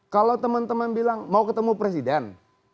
kalau teman teman bilang mau ketemu presiden